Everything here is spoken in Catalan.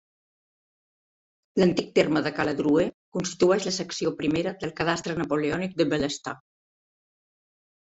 L'antic terme de Caladroer constitueix la secció primera del Cadastre napoleònic de Bellestar.